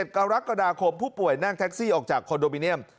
กรกฎาคมผู้ป่วยนั่งแท็กซี่ออกจากคอนโดมิเนียม